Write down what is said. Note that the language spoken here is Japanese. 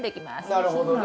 なるほどね。